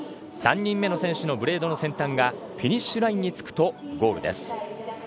３人目の選手のブレードの先端がフィニッシュラインにつくとゴールです。